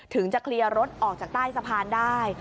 ถึงจะเคลียร์รถออกจากใต้สะพานได้